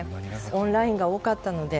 オンラインが多かったので。